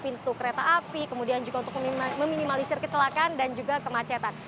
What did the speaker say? pintu kereta api kemudian juga untuk meminimalisir kecelakaan dan juga kemacetan